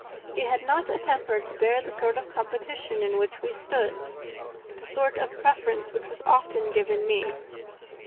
He had not a temper to bear the sort of competition in which we stood the sort of preference which was often given me."